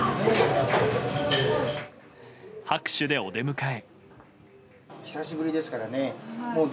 拍手で、お出迎え。